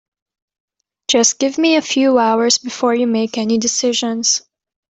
Just give me a few hours before you make any decisions.